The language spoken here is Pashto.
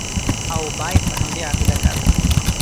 او باید په همدې عقیده کار وکړي.